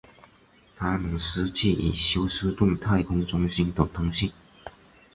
他们失去与休斯顿太空中心的通讯。